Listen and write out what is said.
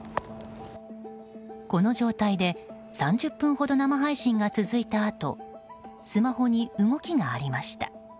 この状態で３０分ほど生配信が続いたあとスマホに動きがありました。